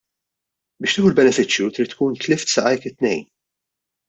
Biex tieħu l-benefiċċju trid tkun tlift saqajk it-tnejn.